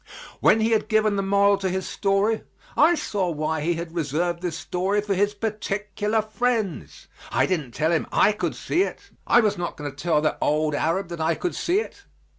When he had given the moral to his story, I saw why he had reserved this story for his "particular friends." I didn't tell him I could see it; I was not going to tell that old Arab that I could see it.